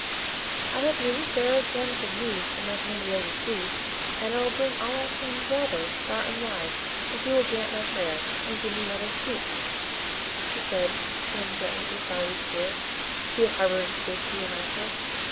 "I have many fairer gems than these, in my home below the sea; and I will bring all I can gather far and wide, if you will grant my prayer, and give me what I seek," she said, turning gently to the fiery Spirits, who were hovering fiercely round her.